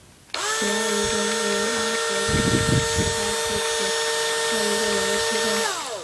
皮奥伊州茹阿泽鲁是巴西皮奥伊州的一个市镇。